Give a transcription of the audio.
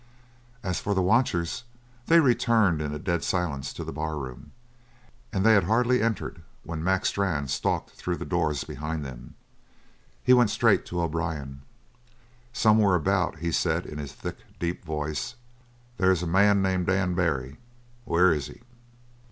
As for the watchers, they returned in a dead silence to the barroom and they had hardly entered when Mac Strann stalked through the doors behind them; he went straight to O'Brien. "Somewhere about," he said in his thick, deep voice, "they's a man named Dan Barry. Where is he?"